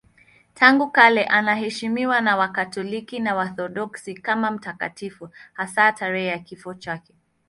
Tangu kale anaheshimiwa na Wakatoliki na Waorthodoksi kama mtakatifu, hasa tarehe ya kifo chake.